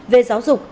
về giáo dục